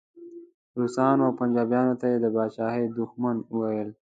روسانو او پنجابیانو ته یې د پاچاهۍ دښمنان ویل.